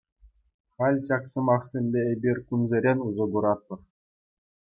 Халь ҫак сӑмахсемпе эпир кунсерен усӑ куратпӑр.